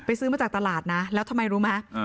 ซื้อมาจากตลาดนะแล้วทำไมรู้ไหม